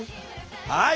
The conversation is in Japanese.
はい！